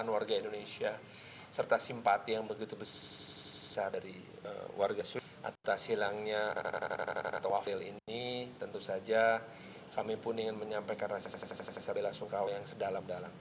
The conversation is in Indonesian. warga suwif atas silangnya atau wafil ini tentu saja kami pun ingin menyampaikan rasa sedalam sedalamnya